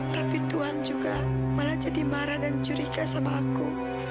tapi tuhan juga malah jadi marah dan curiga sama aku